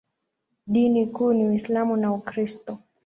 Dini kuu ni Uislamu na Ukristo.